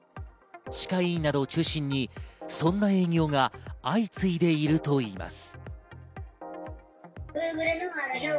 歯科医院などを中心にそんな営業が相次いでいるといいます。